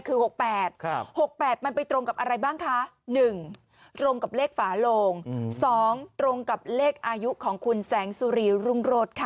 คือ๖๘๖๘มันไปตรงกับอะไรบ้างคะ๑ตรงกับเลขฝาโลง๒ตรงกับเลขอายุของคุณแสงสุรีรุ่งโรศค่ะ